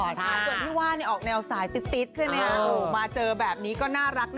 ดูนี้ก็ไม่ยอมพิว่านเขาเลยนะ